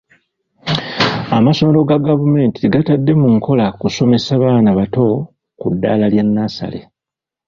Amasomero ga gavumenti tegatadde mu nkola kusomesa baana bato ku ddaala lya nnassale.